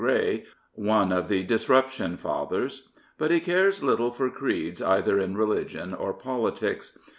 Grey, one of the Disruption fathers; but he cares little for creeds either in religion or politics.